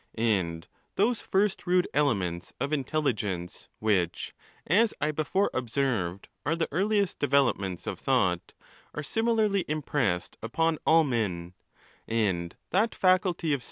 And those first rude elements of intelligence which, as I before observed, are the earliest developments of thought, are similarly impressed upon all men; and that faculty of 412 ON THE LAWS.